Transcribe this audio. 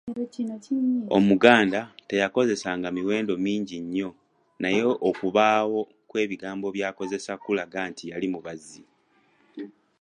Omuganda teyakozesanga miwendo mingi nnnyo naye okubaawo kw’ebigambo by’akozesa kulaga nti yali mubazi.